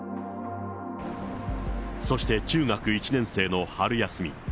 そして中学１年生の春休み。